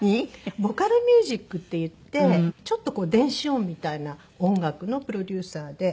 ボカロミュージックっていってちょっとこう電子音みたいな音楽のプロデューサーで。